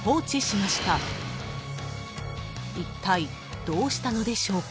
［いったいどうしたのでしょうか？］